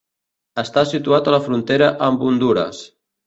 Està situat a la frontera amb Hondures.